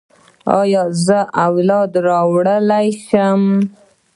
ایا زه اولاد راوړلی شم؟